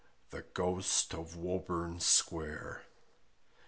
THE GHOST OF WOBURN SQUARE.